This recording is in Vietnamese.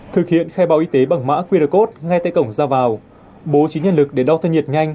thực hiện khai báo y tế bằng mã qr code ngay tại cổng ra vào bố trí nhân lực để đo thân nhiệt nhanh